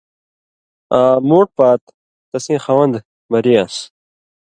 آں مُوٹ پات تسیں خوَن٘دہۡ مرِیان٘س؛